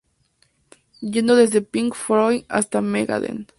Yendo desde Pink Floyd hasta Megadeth.